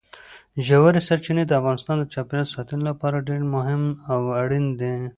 ژورې سرچینې د افغانستان د چاپیریال ساتنې لپاره ډېر مهم او اړین دي.